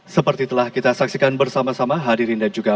seperti telah kita saksikan bersama sama hadirin dan juga